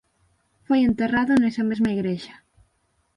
Foi enterrado nesa mesma igrexa.